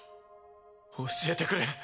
教えてくれ。